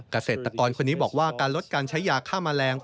เกษตรกรคนนี้บอกว่าการลดการใช้ยาฆ่าแมลง